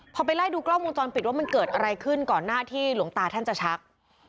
พอไปไล่ดูกล้องวงจรปิดว่ามันเกิดอะไรขึ้นก่อนหน้าที่หลวงตาท่านจะชัก